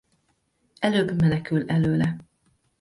Előbb menekül előle.